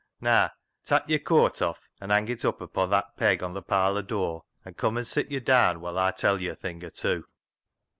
Naa, tak' yo'r coit off and hang it upo' that peg on th' parlour dur, an' come an' sit yo' daan, woll Aw tell yo' a thing or two."